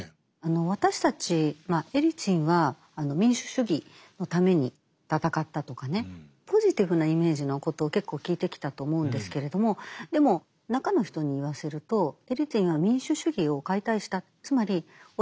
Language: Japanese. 私たちエリツィンは民主主義のために戦ったとかねポジティブなイメージのことを結構聞いてきたと思うんですけれどもでも中の人に言わせると初めから。